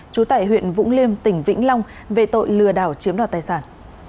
trú tại huyện vũng liêm tỉnh vĩnh long về tội lừa đảo chiếm đoạt tài sản